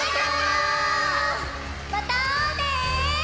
またあおうね！